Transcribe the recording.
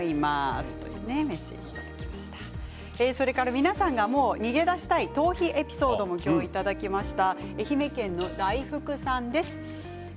皆さんが逃げ出したい逃避エピソードも今日、いただきました。